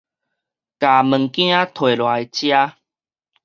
共物件提落來遮